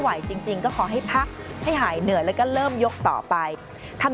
จริงจริงก็ขอให้พักให้หายเหนื่อยแล้วก็เริ่มยกต่อไปทำ